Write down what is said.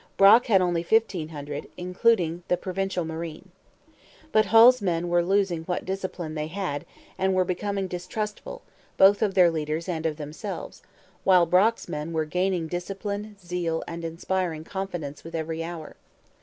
Brock had only fifteen hundred, including the Provincial Marine. But Hull's men were losing what discipline they had and were becoming distrustful both of their leaders and of themselves; while Brock's men were gaining discipline, zeal, and inspiring confidence with every hour.